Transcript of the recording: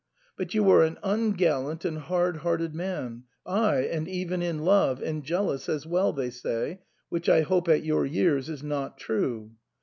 But you are an ungallant and hard hearted man, ay, and even in love, and jealous as well, they say, which I hope at your years is not true.